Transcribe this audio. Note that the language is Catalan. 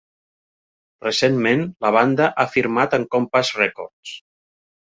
Recentment la banda ha firmat amb Compass Records.